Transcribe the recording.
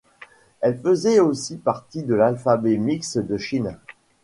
Elle faisait aussi partie de l’alphabet mixte de Chine.